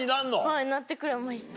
はいなってくれました。